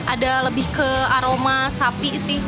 ada lebih ke aroma sapi sih